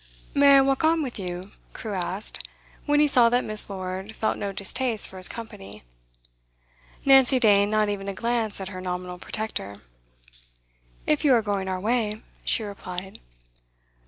'May I walk on with you?' Crewe asked, when he saw that Miss. Lord felt no distaste for his company. Nancy deigned not even a glance at her nominal protector. 'If you are going our way,' she replied.